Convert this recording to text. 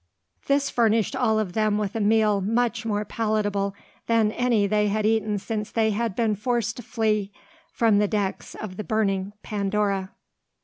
This furnished all of them with a meal much more palatable than any they had eaten since they had been forced to flee from the decks of the burning Pandora.